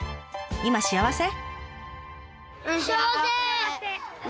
今幸せ？